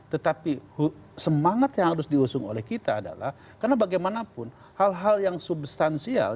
tetapi semangat yang harus diusung oleh kita adalah karena bagaimanapun hal hal yang substansial